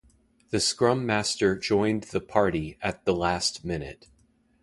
The scrum master joined the party at the last minute.